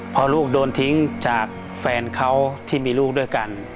พอลูกโดนทิ้งจากแฟนเขาที่มีลูกด้วยกัน